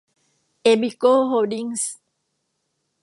เอบิโก้ โฮลดิ้งส์